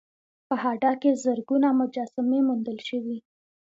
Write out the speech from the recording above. په هډه کې زرګونه مجسمې موندل شوي